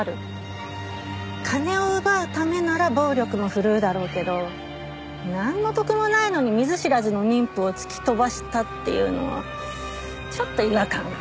金を奪うためなら暴力も振るうだろうけどなんの得もないのに見ず知らずの妊婦を突き飛ばしたっていうのはちょっと違和感が。